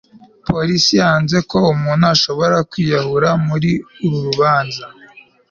polisi yanze ko umuntu ashobora kwiyahura muri uru rubanza